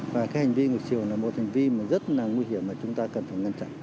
và cái hành vi ngược chiều là một hành vi mà rất là nguy hiểm mà chúng ta cần phải ngăn chặn